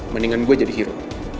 mendingan gue jadi hero